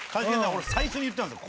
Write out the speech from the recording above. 俺最初に言ったんですよ